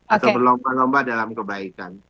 atau berlomba lomba dalam kebaikan